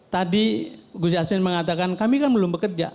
tadi gus yassin mengatakan kami kan belum bekerja